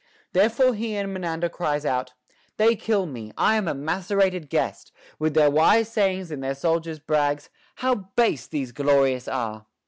There fore he in Menander cries out, They kill me — lam a macerated guest — With their wise sayings and their soldier's brags; How base these gloriosos are